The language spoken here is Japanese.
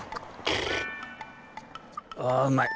「あうまい。